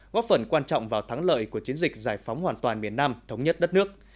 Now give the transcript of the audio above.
góp phần quan trọng vào thắng lợi của chiến dịch giải phóng hoàn toàn miền nam thống nhất đất nước